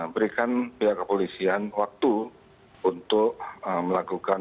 berikan pihak kepolisian waktu untuk melakukan